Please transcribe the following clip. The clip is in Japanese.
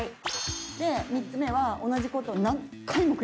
で３つ目は同じことを何回も繰り返す。